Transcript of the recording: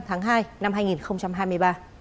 tại lào cây